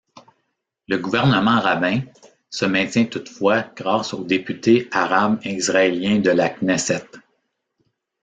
Le gouvernement Rabin se maintient toutefois grâce aux députés Arabes israéliens de la Knesset.